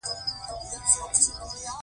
ګارلوک وویل چې اوس به مو مړه کړئ.